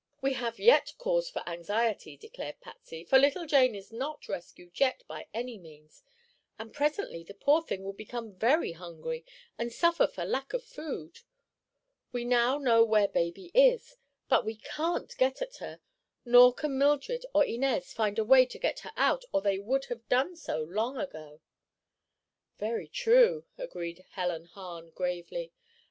"We have yet cause for anxiety," declared Patsy, "for little Jane is not rescued yet, by any means, and presently the poor thing will become very hungry and suffer for lack of food. We now know where baby is, but we can't get at her; nor can Mildred or Inez find a way to get her out, or they would have done so long ago." "Very true," agreed Helen Hahn, gravely.